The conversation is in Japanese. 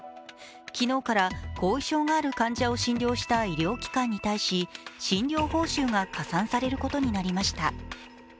昨日から後遺症がある患者を診療した医療機関に対し診療報酬が加算されることになりました。